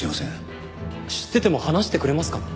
知ってても話してくれますかね？